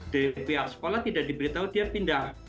dari pihak sekolah tidak diberitahu dia pindah